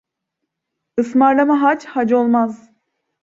Ismarlama hac, hac olmaz.